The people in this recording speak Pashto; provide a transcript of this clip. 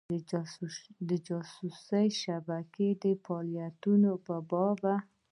د جاسوسي شبکو د فعالیتونو په باب.